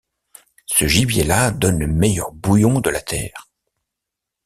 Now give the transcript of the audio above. Ce gibier-là donne le meilleur bouillon de la terre.